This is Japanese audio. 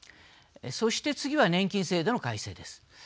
そして次は、年金制度の改正です。